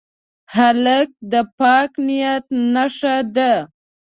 هلک د پاک نیت نښه ده.